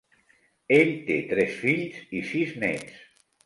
Ell té tres fills i sis néts.